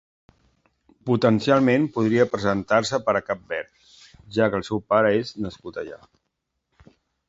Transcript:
Potencialment podria presentar-se per a Cap Verd ja que el seu pare és nascut allà.